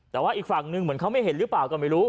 แต่ว่าอีกฝั่งหนึ่งเหมือนเขาไม่เห็นหรือเปล่าก็ไม่รู้